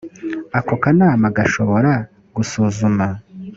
ako kanama gashobora gusuzuma